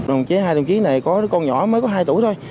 đồng chí hai đồng chí này có con nhỏ mới có hai tuổi thôi